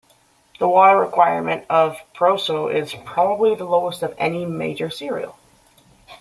The water requirement of proso is probably the lowest of any major cereal.